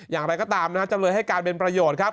อย่างไรก็ตามนะฮะจำเลยให้การเป็นประโยชน์ครับ